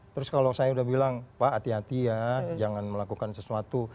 terus kalau saya udah bilang pak hati hati ya jangan melakukan sesuatu